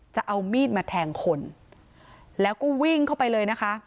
จะเอามีดมาแทงคนแล้วก็วิ่งเข้าไปเลยนะคะ